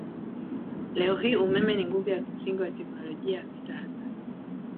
Leo hii umeme ni nguvu ya kimsingi wa teknolojia ya kisasa.